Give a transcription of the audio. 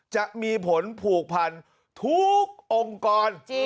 จะมีผลผูกพันทุกองค์กร